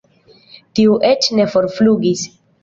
Tiu eĉ ne forflugis.